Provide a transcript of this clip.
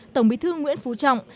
tổng bí thư nguyễn phú trọng